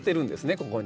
ここに。